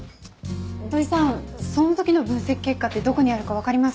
土居さんその時の分析結果ってどこにあるか分かります？